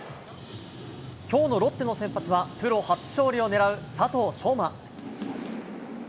きょうのロッテの先発は、プロ初勝利をねらう佐藤しょうま。